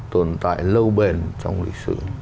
tồn tại lâu bền trong lịch sử